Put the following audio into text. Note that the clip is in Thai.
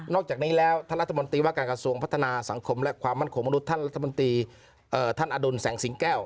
อกจากนี้แล้วท่านรัฐมนตรีว่าการกระทรวงพัฒนาสังคมและความมั่นคงมนุษย์ท่านรัฐมนตรีท่านอดุลแสงสิงแก้ว